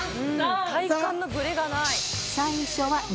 体幹のブレがない。